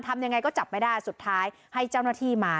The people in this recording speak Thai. ทำยังไงก็จับไม่ได้สุดท้ายให้เจ้าหน้าที่มา